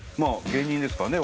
芸人ですからね